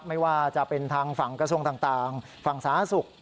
ไม่ว่าจะเป็นทางฝั่งกระทรวงต่างฝั่งสาธารณสุข